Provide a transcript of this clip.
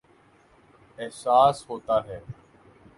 احساس ہوتاہے